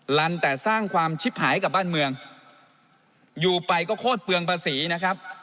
ลันแต่สร้างความชิบหายกับบ้านเมืองอยู่ไปก็โคตรเปลืองภาษีนะครับ